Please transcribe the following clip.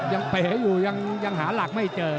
เป๋อยู่ยังหาหลักไม่เจอ